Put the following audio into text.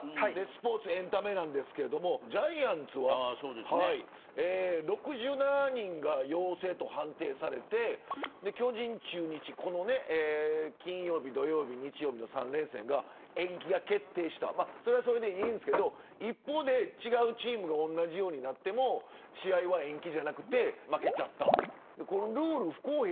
スポーツ、エンタメですがジャイアンツは６７人が陽性と判定されて巨人、中日３連戦の延期が決定したそれはそれでいいんですけど一方で違うチームが同じようになっても試合は延期じゃなくて負けちゃった。